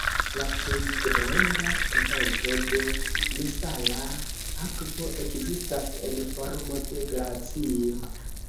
La plej granda kvanto de nesala akvo ekzistas en formo de glacio.